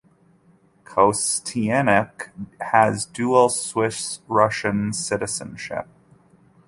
Kosteniuk has dual Swiss-Russian citizenship.